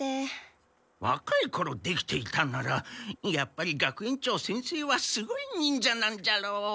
わかいころできていたならやっぱり学園長先生はすごい忍者なんじゃろう。